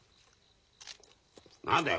何だよ？